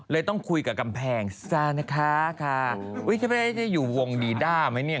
เลยต้องคุยกับกำแพงซ่าข้าจะอยู่วงดีด๑๙๗๔ไหมเนี่ย